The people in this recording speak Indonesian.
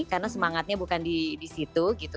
karena semangatnya bukan disitu gitu